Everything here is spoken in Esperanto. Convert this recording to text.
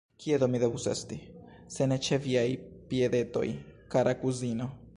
Kie do mi devus esti, se ne ĉe viaj piedetoj, kara kuzino?